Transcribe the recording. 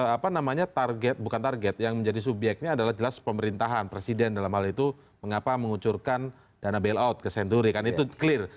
apa namanya target bukan target yang menjadi subyeknya adalah jelas pemerintahan presiden dalam hal itu mengapa mengucurkan dana bailout ke senturi kan itu clear